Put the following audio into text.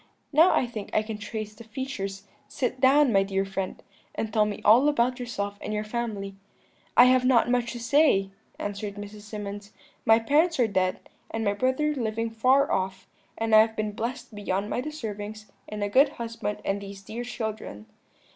Now I think I can trace the features; sit down, my dear friend, and tell me all about yourself and your family.' "'I have not much to say,' answered Mrs. Symonds; 'my parents are dead, and my brother living far off: and I have been blessed beyond my deservings in a good husband and these dear children.'